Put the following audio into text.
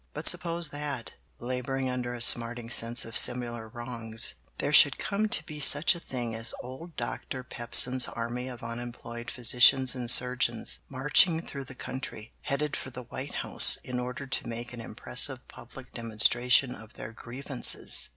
"But suppose that, laboring under a smarting sense of similar wrongs, there should come to be such a thing as old Doctor Pepsin's Army of Unemployed Physicians and Surgeons, marching through the country, headed for the White House in order to make an impressive public demonstration of their grievances!